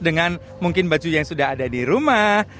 dengan mungkin baju yang sudah ada di rumah